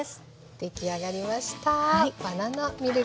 出来上がりました。